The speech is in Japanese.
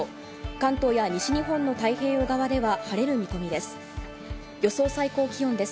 関東や西のほうの太平洋側では晴れる見込みです。